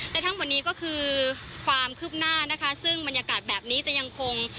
และทั้งหมดนี้ก็คือความคืบหน้านะคะซึ่งบรรยากาศแบบนี้จะยังคง